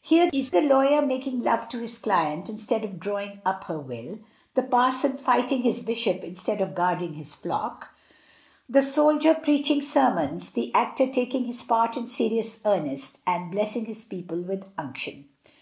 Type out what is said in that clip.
Here is the lawyer making love to his client instead of drawing up her will; the parson fighting his bishop instead of guarding his flock; the soldier 8o MRS. DYMOND. preaching sermons; the actor taking his part in serious earnest, and blessing his people with unc tion.